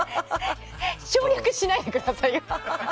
省略しないでくださいよ。